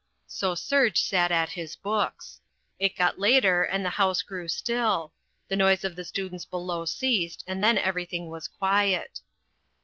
So Serge sat at his books. It got later and the house grew still. The noise of the students below ceased and then everything was quiet.